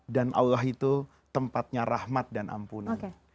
dan allah itu tempatnya rahmat dan ampunan